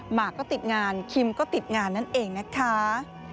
หมากก็ติดงานคิมก็ติดงานนั่นเองนะคะ